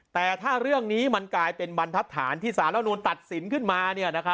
แต่ถ้าเรื่องนี้มันกลายเป็นบรรทัศนที่สารรับนูลตัดสินขึ้นมา